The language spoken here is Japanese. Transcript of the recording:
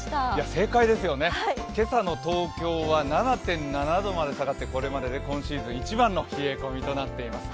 正解ですよね、今朝の東京は７．７度まで下がってこれまでで今シーズン一番の冷え込みとなっています。